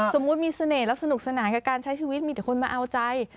สมมุติมีเสน่ห์แล้วสนุกสนานกับการใช้ชีวิตมีแต่คนมาเอาใจ